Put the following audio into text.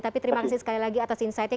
tapi terima kasih sekali lagi atas insight nya